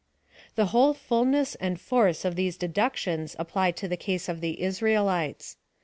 The whole fullness and force of these deductions apply to the case of the Israelites.